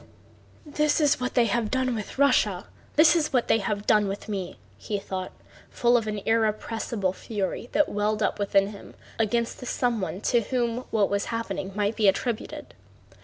"This is what they have done with Russia! This is what they have done with me!" thought he, full of an irrepressible fury that welled up within him against the someone to whom what was happening might be attributed.